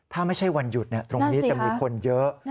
ถ้าไม่ใช่วันหยุดตรงนี้จะมีคนเยอะ